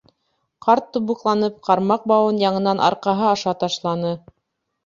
Ҡарт тубыҡланып ҡармаҡ бауын яңынан арҡаһы аша ташланы.